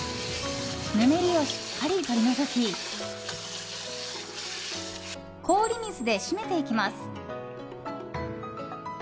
ぬめりをしっかり取り除き氷水で締めていきます。